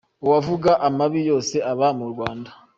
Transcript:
Uwavuga amabi yose aba mu Rwanda